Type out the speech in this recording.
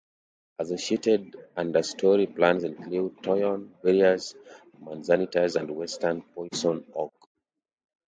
Associated understory plants include toyon, various manzanitas and western poison-oak.